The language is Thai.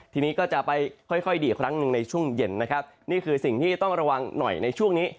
ทีนี้ก็จะไปค่อยค่อยดีอีกครั้งหนึ่งในช่วงเย็นนะครับนี่คือสิ่งที่ต้องระวังหน่อยในช่วงนี้